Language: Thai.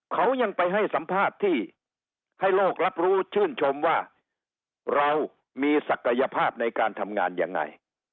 เขายังไปให้สัมภาษณ์ที่ให้โลกรับรู้ชื่นชมว่าเรามีศักยภาพในการทำงานยังไง